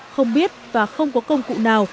không biết và không có công cụ nào